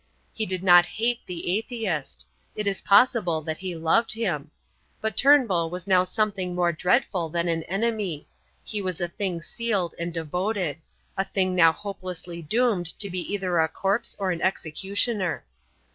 He did not hate the atheist; it is possible that he loved him. But Turnbull was now something more dreadful than an enemy: he was a thing sealed and devoted a thing now hopelessly doomed to be either a corpse or an executioner.